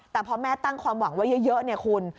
แต่พอแม่ตั้งความหวังไว้เยอะเนี่ยคุณ